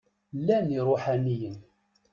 Llan iṛuḥaniyen.